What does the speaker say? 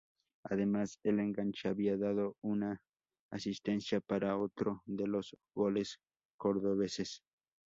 Además el enganche había dado una asistencia para otro de los goles cordobeses.